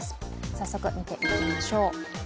早速見ていきましょう。